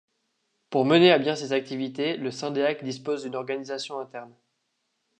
Pour mener à bien ses activités, le Syndeac dispose d'une organisation interne.